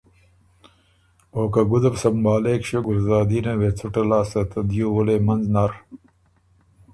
او که ګُده بُو سمبهالېک ݭیوک ګلزادینه وې څُټه لاسته ته دیو وُلئ منځ نر